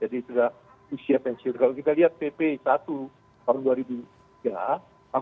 jadi sudah usia pensiun kalau kita lihat pp satu tahun dua ribu tiga